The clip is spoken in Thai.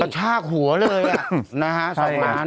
ชากหัวเลยอ่ะนะฮะสักวัน